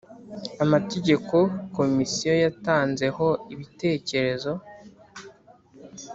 Amategeko Komisiyo yatanzeho ibitekerezo